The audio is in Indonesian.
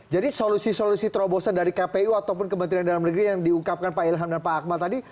jadi solusi solusi terobosan dari kpu ataupun kementerian dalam negeri yang diungkapkan pak ilham dan pak akmal tadi